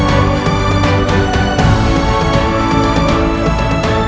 hai ah ahgs hai ah terima kasih takom